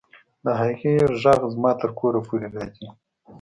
د هغې غږ زما تر کوره پورې راځي